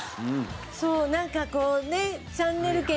そうなんかこうねっ？